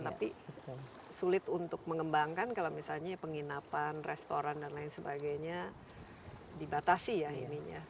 tapi sulit untuk mengembangkan kalau misalnya penginapan restoran dan lain sebagainya dibatasi ya ininya